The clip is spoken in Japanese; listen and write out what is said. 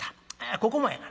ここもやがな」。